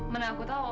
mana aku tau